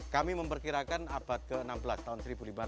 kami memperkirakan abad ke enam belas tahun seribu lima ratus